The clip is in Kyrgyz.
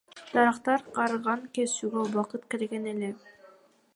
Дарактар карыган, кесүүгө убакыт келген эле.